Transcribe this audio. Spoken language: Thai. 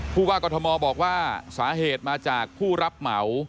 ผู้ว่ากรทมบอกว่าสาเหตุมาจากผู้รับเหมา